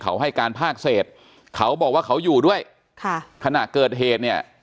เขาให้การภาคเศษเขาบอกว่าเขาอยู่ด้วยค่ะขณะเกิดเหตุเนี่ย